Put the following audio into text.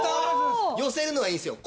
寄せるのはいいんですよ